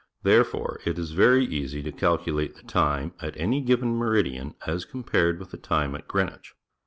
Therefore it is very easy to calculate the time at any given meridian as compared with the time at Greenwich.